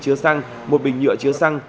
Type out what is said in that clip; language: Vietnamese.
chứa xăng một bình nhựa chứa xăng